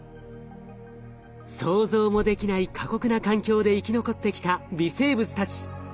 想像もできない過酷な環境で生き残ってきた微生物たち。